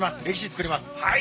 作ります。